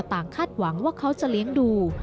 คาดหวังว่าเขาจะเลี้ยงดู